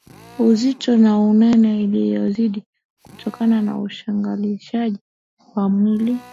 uzito na unene uliyozidi Kutokana na ushughulishaji wa mwili